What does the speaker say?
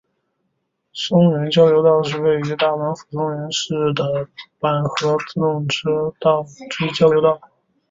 松原交流道是位于大阪府松原市的阪和自动车道之交流道。